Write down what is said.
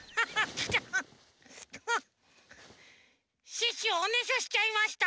シュッシュはおねしょしちゃいました！